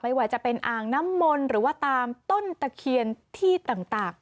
ว่าจะเป็นอ่างน้ำมนต์หรือว่าตามต้นตะเคียนที่ต่าง